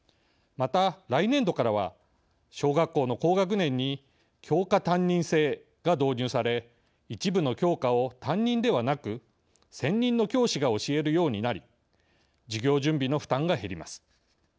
また、来年度からは小学校の高学年に教科担任制が導入され一部の教科を担任ではなく専任の教師が教えるようになり授業準備の負担が減ります。